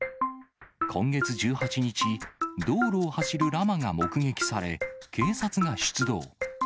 今月１８日、道路を走るラマが目撃され、警察が出動。